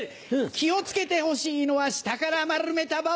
気を付けてほしいのは下から丸めた場合だ。